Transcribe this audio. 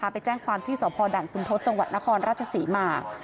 ไปแจ้งความที่สดทศจนครรับชศิมาคร